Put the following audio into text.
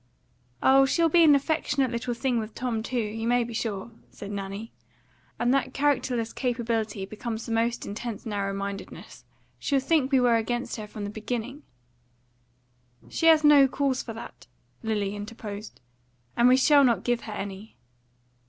"Oh, she'll be an affectionate little thing with Tom too, you may be sure," said Nanny. "And that characterless capability becomes the most in tense narrow mindedness. She'll think we were against her from the beginning." "She has no cause for that," Lily interposed, "and we shall not give her any."